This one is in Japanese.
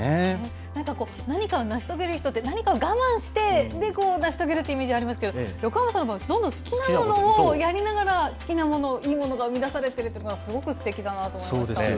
なんかこう、何かを成し遂げる人って、何かを我慢して成し遂げるってイメージありますけど、横山さんの場合、どんどん好きなものをやりながら、好きなもの、いいものが生み出されてるというのは、すごくすてきだなと思いました。